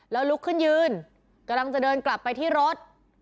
แล้วลุกขึ้นยืนกำลังจะเดินกลับไปที่รถ